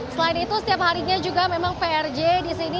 selain itu setiap harinya juga memang prj di sini